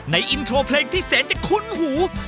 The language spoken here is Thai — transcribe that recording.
อินโทรเพลงที่แสนจะคุ้นหู